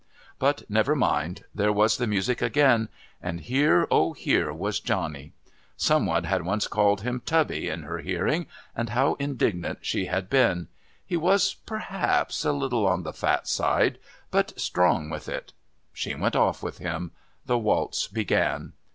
But never mind there was the music again, and here, oh, here, was Johnny! Someone had once called him Tubby in her hearing, and how indignant she had been! He was perhaps a little on the fat side, but strong with it.... She went off with him. The waltz began.